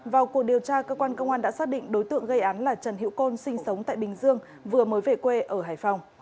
vào cuộc điều tra cơ quan công an đã xác định đối tượng gây án là trần hữu côn sinh sống tại bình dương vừa mới về quê ở hải phòng